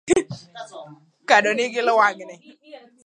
Kado nigi lwang'ni